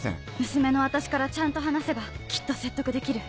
娘の私からちゃんと話せばきっと説得できる。